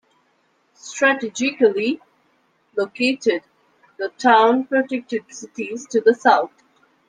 Strategically located, the town protected cities to the south.